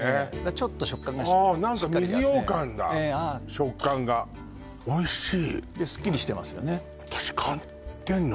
ちょっと食感がしっかりあって何か水ようかんだ食感がおいしいですっきりしてますよね